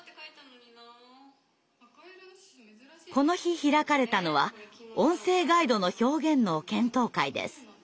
この日開かれたのは音声ガイドの表現の検討会です。